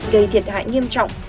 gây thiệt hại nghiêm trọng